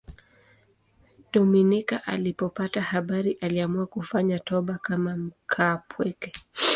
Dominiko alipopata habari aliamua kufanya toba kama mkaapweke.